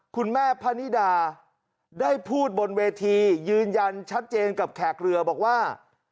คุณแม่พะนิดาได้พูดบนเวทียืนยันชัดเจนกับแขกเรือบอกว่า